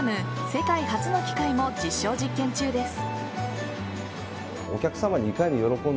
世界初の機械も実証実験中です。